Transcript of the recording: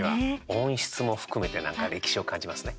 音質も含めてなんか歴史を感じますね。